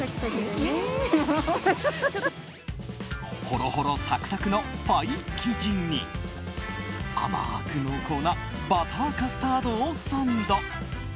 ほろほろサクサクのパイ生地に甘く濃厚なバターカスタードをサンド。